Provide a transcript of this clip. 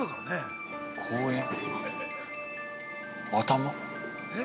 頭。